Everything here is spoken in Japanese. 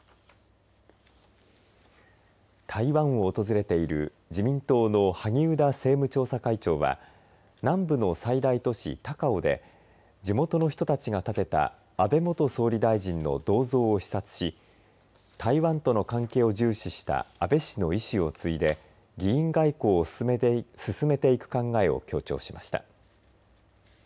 台湾を訪れている自民党の萩生田政務調査会長は南部の最大都市、高雄で地元の人たちが建てた安倍元総理大臣の銅像を視察し台湾との関係を重視した安倍氏の遺志を継いで議員外交を進めていく考えを強調しました。